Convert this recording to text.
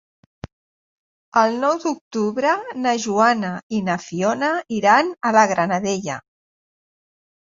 El nou d'octubre na Joana i na Fiona iran a la Granadella.